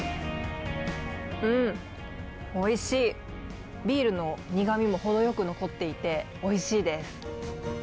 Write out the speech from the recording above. おいしい、ビールの苦みもほどよく残っていて、おいしいです。